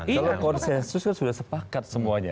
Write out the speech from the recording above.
iya konsensus kan sudah sepakat semuanya